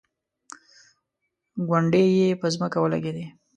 ګونډې یې په ځمکه ولګېدې.